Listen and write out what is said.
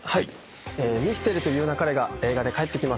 『ミステリと言う勿れ』が映画で帰ってきます。